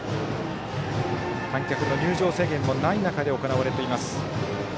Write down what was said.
観客の入場制限もない中で行われています。